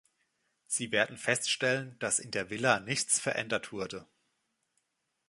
Sie werden feststellen, dass in der Villa nichts verändert wurde.